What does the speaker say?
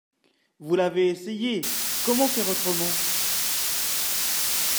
Vous l’avez essayé ? Comment faire autrement.